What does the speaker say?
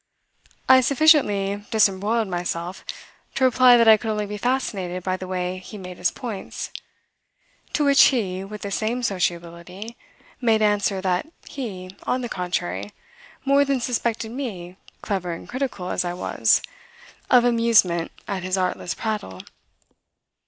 I sufficiently disembroiled myself to reply that I could only be fascinated by the way he made his points; to which he with the same sociability made answer that he, on the contrary, more than suspected me, clever and critical as I was, of amusement at his artless prattle.